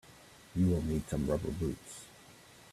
You will need some rubber boots.